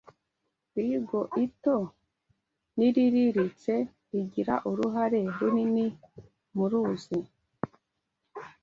Iigo ito n'iiiriritse igira uruhare runini mu uuruzi